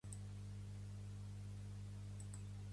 Quin fet ha recriminat Otegi?